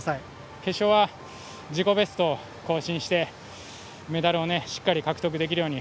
決勝は自己ベストを更新してメダルをしっかり獲得できるように。